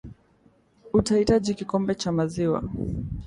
Utahitaji kikombe cha maziwa